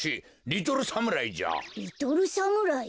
リトルサムライ？